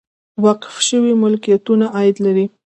وقف شوي ملکیتونه عاید لري